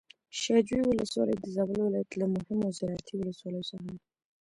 شاه جوی ولسوالي د زابل ولايت له مهمو زراعتي ولسواليو څخه ده.